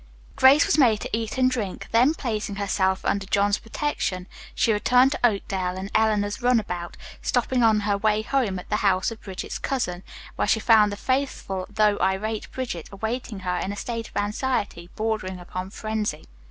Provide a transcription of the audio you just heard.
Grace was made to eat and drink, then, placing herself under John's protection, she returned to Oakdale in Eleanor's run about, stopping on her way home at the house of Bridget's cousin, where she found the faithful though irate Bridget awaiting her in a state of anxiety bordering upon frenzy.